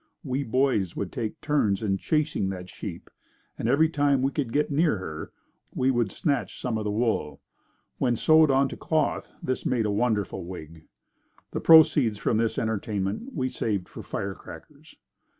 We boys would take turns in chasing that sheep and every time we could get near her, we would snatch some of the wool. When sewed on to cloth, this made a wonderful wig. The proceeds from this entertainment, we saved for firecrackers.